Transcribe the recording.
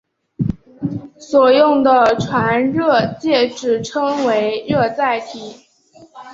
所用的传热介质称为热载体。